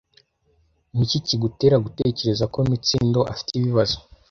Niki kigutera gutekereza ko Mitsindo afite ibibazo?